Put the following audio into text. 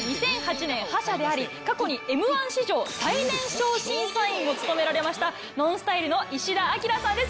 過去に『Ｍ−１』史上最年少審査員を務められましたＮＯＮＳＴＹＬＥの石田明さんです